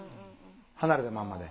離れたまんまで。